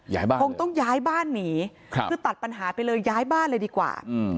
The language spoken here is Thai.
บ้านคงต้องย้ายบ้านหนีคือตัดปัญหาไปเลยย้ายบ้านเลยดีกว่าอืม